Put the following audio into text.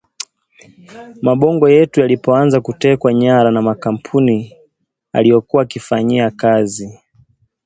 mabongo yetu yalipoanza kutekwa nyara na makampuni aliyokuwa akiyafanyia kazi